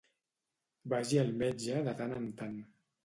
Vagi al metge de tant en tant.